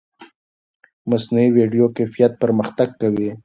مصنوعي ویډیو کیفیت پرمختګ کوي.